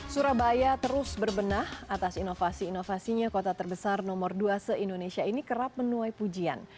surabaya terus berbenah atas inovasi inovasinya kota terbesar nomor dua se indonesia ini kerap menuai pujian